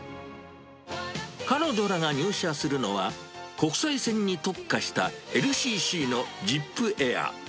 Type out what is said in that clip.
彼女らが入社するのは、国際線に特化したＬＣＣのＺＩＰＡＩＲ。